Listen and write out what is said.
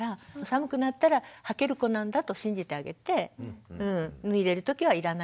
寒くなったらはける子なんだと信じてあげて脱いでる時はいらないんだなと。